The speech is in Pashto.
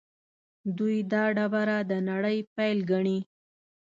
دوی دا ډبره د نړۍ پیل ګڼي.